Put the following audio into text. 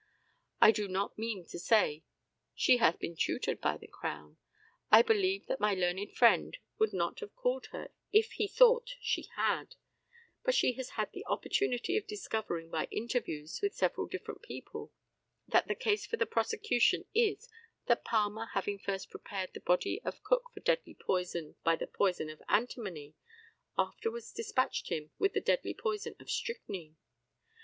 I do not mean to say she has been tutored by the Crown; I believe that my learned friend would not have called her if he thought she had; but she has had an opportunity of discovering by interviews with several different people that the case for the prosecution is, that Palmer having first prepared the body of Cook for deadly poison by the poison of antimony, afterwards despatched him with the deadly poison of strychnine.